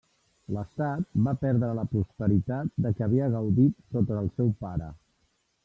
L'estat va perdre la prosperitat de què havia gaudit sota el seu pare.